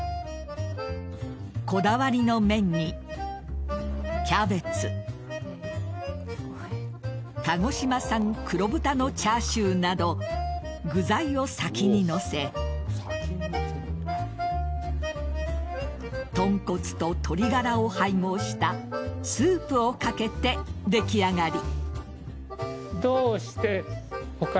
こだわりの麺にキャベツ鹿児島産黒豚のチャーシューなど具材を先に載せ豚骨と鶏ガラを配合したスープをかけて出来上がり。